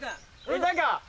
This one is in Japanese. いたか？